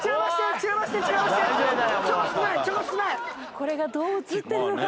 これがどう写ってるのか。